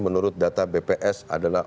menurut data bps adalah